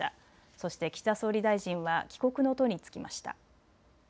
そして岸田総理大臣は帰国の途に就きました。